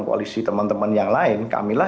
koalisi teman teman yang lain kamilah